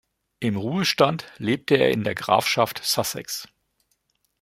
Im Ruhestand lebte er in der Grafschaft Sussex.